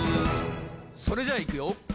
それじゃいくよ